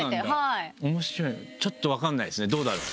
ちょっと分かんないですねどうだろう？